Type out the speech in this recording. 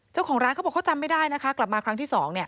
เจ้าของร้านเขาบอกว่าเขาจำไม่ได้นะคะกลับมาครั้งที่๒